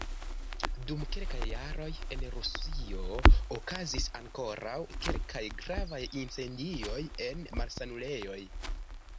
Dum kelkaj jaroj en Rusio okazis ankoraŭ kelkaj gravaj incendioj en malsanulejoj.